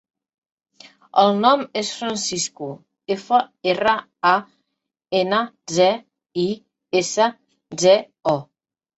El nom és Francisco: efa, erra, a, ena, ce, i, essa, ce, o.